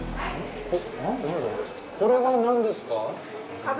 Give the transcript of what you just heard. これは何ですか？